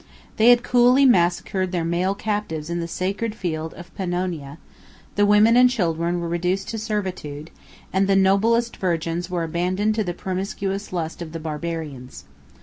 They had coolly massacred their male captives in the sacred field of Pannonia; the women and children were reduced to servitude, and the noblest virgins were abandoned to the promiscuous lust of the Barbarians.